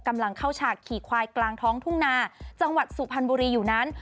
กำลังเข้าฉากขี่ควายกลางท้องทุ่งนาจังหวัดสุพรรณบุรีอยู่นั้น